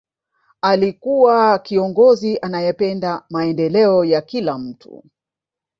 alikuwa kiongozi anayependa maendeleo ya kila mtu